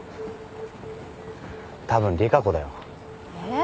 たぶん利佳子だよ。えっ？